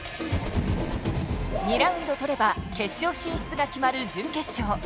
２ラウンド取れば決勝進出が決まる準決勝。